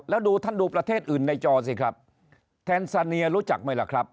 แล้วดูท่านดูประเทศอื่นในจอสิครับแทนซาเนียรู้จักไหมล่ะครับ